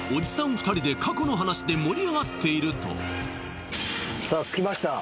２人で過去の話で盛り上がっているとさあ着きました